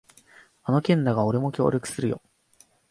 あの件だが、俺も協力するよ。